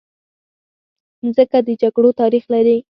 مځکه د جګړو تاریخ لري.